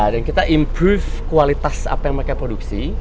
dan kita improve kualitas apa yang mereka produksi